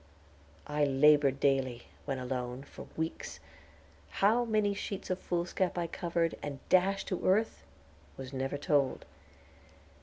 I labored daily, when alone, for weeks; how many sheets of foolscap I covered, and dashed to earth, was never told.